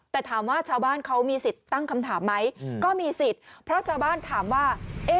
แต่ถามว่าชาวบ้านเขามีสิทธิ์ตั้งคำถามไหมก็มีสิทธิ์เพราะชาวบ้านถามว่า